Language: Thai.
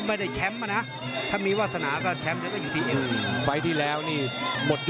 พี่น้องอ่ะพี่น้องอ่ะพี่น้องอ่ะพี่น้องอ่ะ